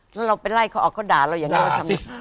แล้วเราไปไล่เขาออกเขาด่าเราอย่างนั้นเราทำ